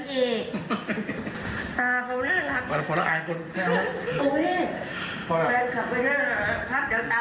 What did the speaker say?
เออให้กำลังใจพี่เอกดูนะ